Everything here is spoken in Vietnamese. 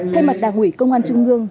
thay mặt đảng ủy công an trung ương